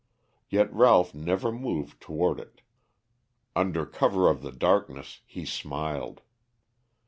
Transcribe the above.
Yet Ralph never moved toward it; under cover of the darkness he smiled.